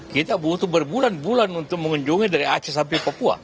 kita butuh berbulan bulan untuk mengunjungi dari aceh sampai papua